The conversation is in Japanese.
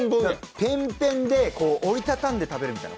ペンペンで折り畳んで食べるみたいな。